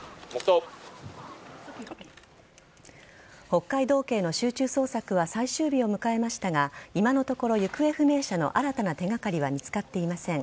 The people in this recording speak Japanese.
北海道警の集中捜索は最終日を迎えましたが今のところ行方不明者の新たな手がかりは見つかっていません。